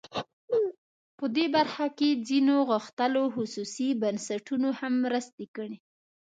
په دې برخه کې ځینو غښتلو خصوصي بنسټونو هم مرستې کړي.